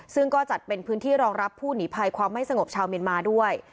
ซึ่งก็จัดเป็นพื้นที่รองรับผู้หนีภัยความไม่สงบชาวเมียนมาด้วย